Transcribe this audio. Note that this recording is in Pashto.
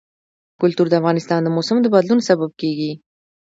کلتور د افغانستان د موسم د بدلون سبب کېږي.